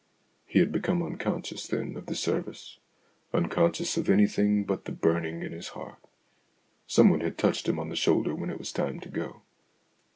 He had become unconscious then of the service, unconscious of anything but the burning in his heart. Someone had touched him on the shoulder when it was time to go.